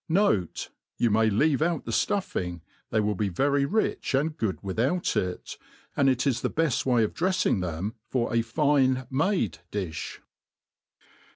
Note, You may leave out the fluffing, they will be very fich and good without it^ and it is the befl way of drefljng theoi for a fine Qiade ^ifb.